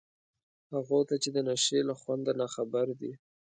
هغو ته چي د نشې له خونده ناخبر دي